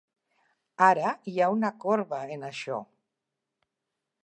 Ara hi ha una corba en això.